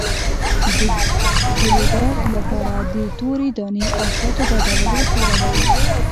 د ګلو درد لپاره د تورې دانې او شاتو ګډول وکاروئ